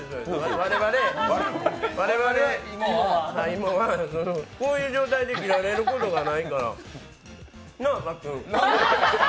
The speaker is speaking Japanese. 我々、芋はこういう状態で食べられることがないから、なあ、さっくん？